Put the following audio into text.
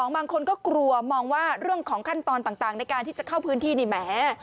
บางคนก็กลัวมองว่าเรื่องของขั้นตอนต่างในการที่จะเข้าพื้นที่นี่แหม